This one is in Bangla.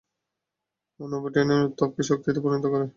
আনঅবটেনিয়াম উত্তাপকে শক্তিতে পরিণত করে!